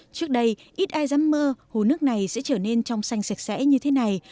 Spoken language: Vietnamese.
trước đây ít ai dám mơ hồ nước này sẽ trở nên trong xanh sạch sẽ như thế này